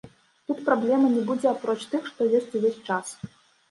Тут праблемы не будзе апроч тых, што ёсць увесь час.